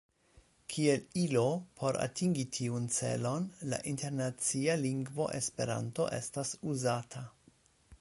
Kiel ilo por atingi tiun celon, la internacia lingvo Esperanto estas uzata.